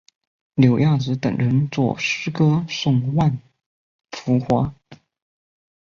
柳亚子等人作诗歌颂万福华。